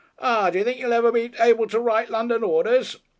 "Ah! do y'r think you'll ever be able to write London orders?"